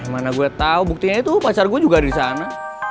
mana gue tau buktinya pacar gue juga ada di sana